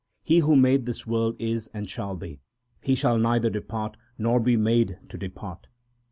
He who made this world is and shall be ; He shall neither depart, nor be made to depart.